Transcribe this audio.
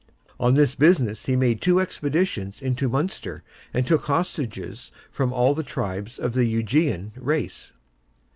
On this business he made two expeditions into Munster, and took hostages from all the tribes of the Eugenian race.